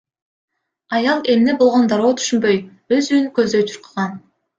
Аял эмне болгонун дароо түшүнбөй, өз үйүн көздөй чуркаган.